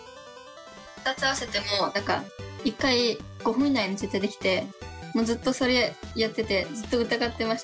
２つ合わせても何か１回５分以内に絶対できてもうずっとそれやっててずっと疑ってました。